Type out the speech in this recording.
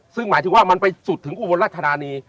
ซึ่งหมายถึงว่ามันไปสุดถึงอุบลรัชธานี